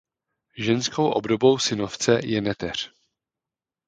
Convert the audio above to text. Ženskou obdobou synovce je neteř.